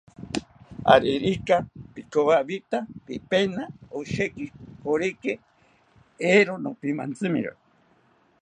Aririka pikowawita pipena osheki koriki, eero nopimantzimiro